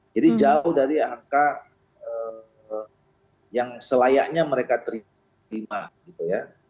jadi jauh dari angka yang selayaknya mereka terima gitu ya